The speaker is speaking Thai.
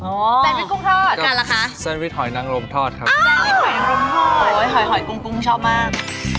แซนวิชกุ้งทอดแล้วกันล่ะคะแซนวิชหอยนางรมทอดครับครับโอ้ยหอยหอยกุ้งกุ้งชอบมาก